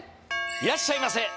いらっしゃいませ。